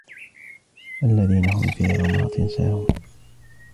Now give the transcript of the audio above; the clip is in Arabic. الَّذِينَ هُمْ فِي غَمْرَةٍ سَاهُونَ